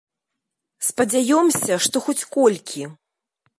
Спадзяёмся, што хоць колькі.